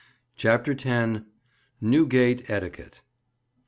CHAPTER X. "NEWGATE ETIQUETTE."